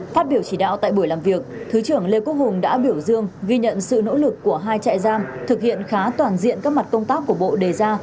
phát biểu chỉ đạo tại buổi làm việc thứ trưởng lê quốc hùng đã biểu dương ghi nhận sự nỗ lực của hai trại giam thực hiện khá toàn diện các mặt công tác của bộ đề ra